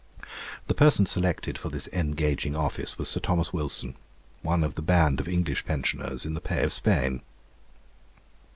The person selected for this engaging office was Sir Thomas Wilson, one of the band of English pensioners in the pay of Spain.